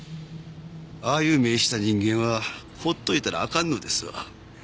ああいう目ぇした人間はほっといたらあかんのですわ。